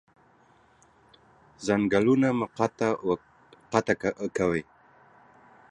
ځنګلونه مه قطع کوئ